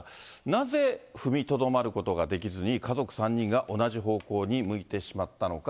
なぜ踏みとどまることができずに、家族３人が同じ方向に向いてしまったのか。